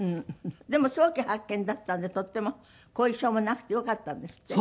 でも早期発見だったんでとっても後遺症もなくてよかったんですって？